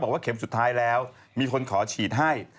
เข็มสุดท้ายแล้วมีคนขอฉีดให้